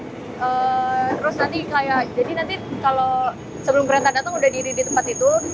terus nanti kayak jadi nanti kalau sebelum kereta datang udah diri di tempat itu